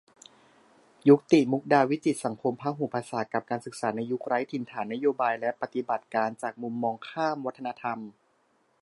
ยุกติ มุกดาวิจิตร สังคมพหุภาษากับการศึกษาในยุคไร้ถิ่นฐาน นโยบายและปฏิบัติการจากมุมมองข้ามวัฒนธรรม